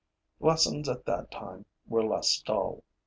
Lessons at that time were less dull.